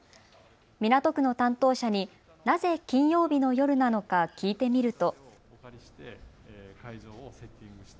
港区の担当者になぜ金曜日の夜なのか聞いてみると。